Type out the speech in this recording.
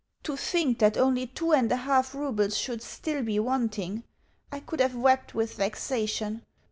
To think that only two and a half roubles should still be wanting! I could have wept with vexation.